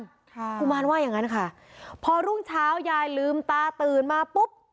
กุมารว่าอย่างงั้นค่ะพอรุ่งเช้ายายลืมตาตื่นมาปุ๊บ